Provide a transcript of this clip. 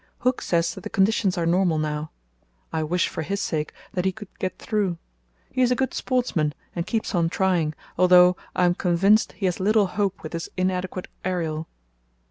Hooke says that the conditions are normal now. I wish for his sake that he could get through. He is a good sportsman and keeps on trying, although, I am convinced, he has little hope with this inadequate aerial.